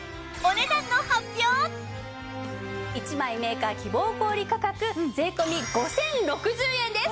１枚メーカー希望小売価格税込５０６０円です！